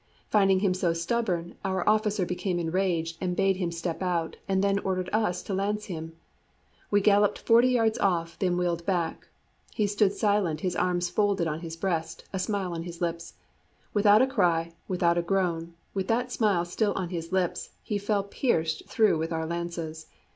Finding him so stubborn, our officer became enraged, and bade him step out, and then ordered us to lance him. We galloped forty yards off, then wheeled back. He stood silent, his arms folded on his breast, a smile on his lips. Without a cry, without a groan, with that smile still on his lips, he fell pierced through with our lances.